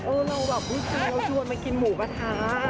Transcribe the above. เราแบบผู้ชายเราชวนมากินหมูกระทะ